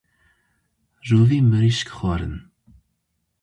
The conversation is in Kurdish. Rûvî mirîşk xwarin